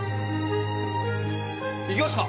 行きますか？